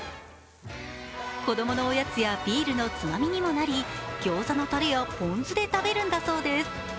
子供のおやつやビールのつまみにもなり、ギョーザのタレや、ポン酢で食べるんだそうです。